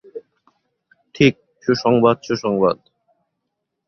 ঠিক, সুসংবাদ, সুসংবাদ।